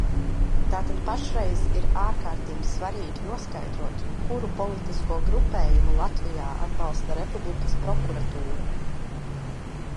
Tātad pašreiz ir ārkārtīgi svarīgi noskaidrot, kuru politisko grupējumu Latvijā atbalsta Republikas prokuratūra.